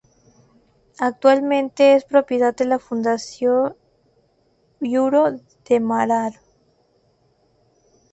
Actualmente es propiedad de la Fundació Iluro de Mataró.